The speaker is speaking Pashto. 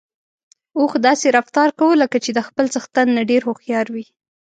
اوښ داسې رفتار کاوه لکه چې د خپل څښتن نه ډېر هوښيار وي.